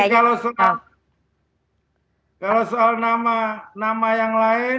jadi kalau soal nama yang lain